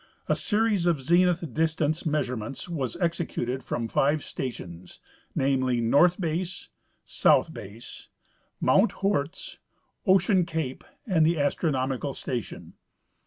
A series of zenith distance measurements Avas executed from tive stations, namely : North base. South base, mount Hoorts, Ocean cape, and the astronomical station.